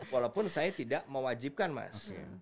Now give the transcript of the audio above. walaupun saya tidak mewajibkan mas